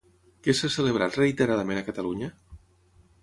Què s'ha celebrat reiteradament a Catalunya?